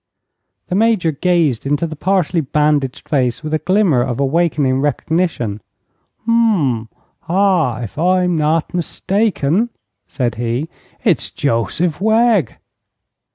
The Major gazed into the partially bandaged face with a glimmer of awakening recognition. "H m! Ha! If I'm not mistaken," said he, "it's Joseph Wegg."